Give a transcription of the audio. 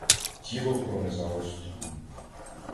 Тіло пронизало струмом.